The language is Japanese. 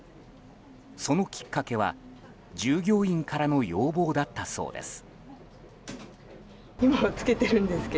そのきっかけは、従業員からの要望だったそうです。